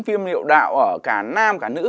phim liệu đạo ở cả nam cả nữ